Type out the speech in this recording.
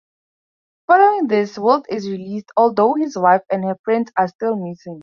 Following this, Wilt is released, although his wife and her friends are still missing.